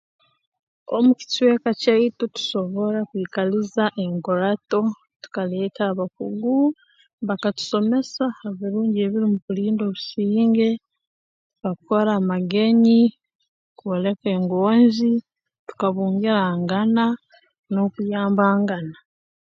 Omu kicweka kyaitu tusobora kwikaliza enkurato tukaleeta abakugu bakatusomesa ha birungi ebiri mu kulinda obusinge tukakukora amagenyi kwoleka engonzi tukabungirangana n'okuyambangana